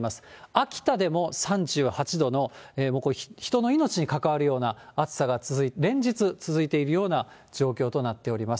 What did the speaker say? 秋田でも３８度のこれ、人の命に関わるような暑さが続いて、連日続いているような状況となっています。